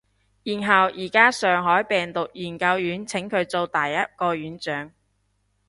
然後而家上海病毒研究院請佢做第一個院長